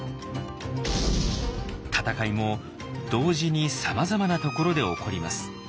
戦いも同時にさまざまなところで起こります。